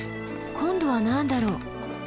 今度は何だろう？